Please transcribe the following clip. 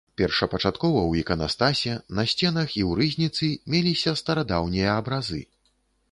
Першапачаткова ў іканастасе, на сценах і ў рызніцы меліся старадаўнія абразы.